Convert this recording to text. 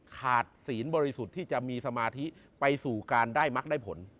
ศีลบริสุทธิ์ที่จะมีสมาธิไปสู่การได้มักได้ผล